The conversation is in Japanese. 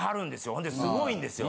ほんですごいんですよ。